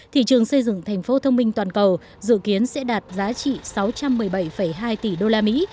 thị trường xây dựng thành phố thông minh toàn cầu dự kiến sẽ đạt giá trị sáu trăm một mươi bảy hai tỷ usd